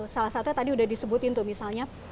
salah satunya tadi udah disebutin tuh misalnya